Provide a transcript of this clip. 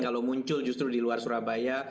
kalau muncul justru di luar surabaya